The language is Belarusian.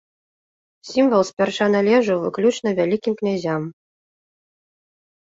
Сімвал спярша належаў выключна вялікім князям.